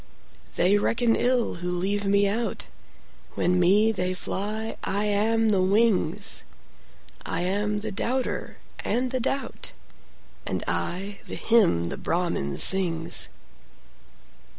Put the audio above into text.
They reckon ill who leave me out; When me they fly, I am the wings;I am the doubter and the doubt, And I the hymn the Brahmin sings.